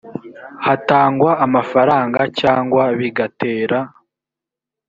hatangwa amafaranga cyangwa bigatera